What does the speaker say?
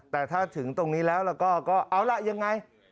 แต่ถ้าถึงตรงนี้แล้วแล้วก็เอาล่ะยังไง